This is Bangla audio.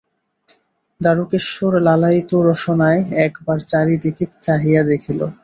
দারুকেশ্বর লালায়িত রসনায় এক বার চারি দিকে চাহিয়া দেখিল।